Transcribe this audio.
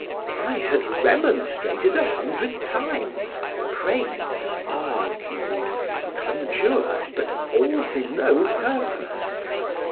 I had remonstrated a hundred times, prayed, argued, conjured, but all to no purpose.